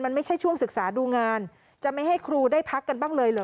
มันไม่ใช่ช่วงศึกษาดูงานจะไม่ให้ครูได้พักกันบ้างเลยเหรอ